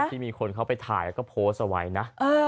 ที่มีคนเขาไปถ่ายแล้วก็โพสต์เอาไว้นะ